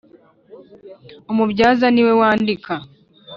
Umubyaza niwe wandika.